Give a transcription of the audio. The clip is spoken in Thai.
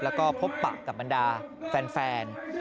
และพบป่ากับปันดาแฟน